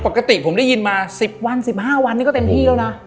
ปกติผมได้ยินมาสิบวันสิบห้าวันเนี่ยก็เต็มพี่แล้วนะ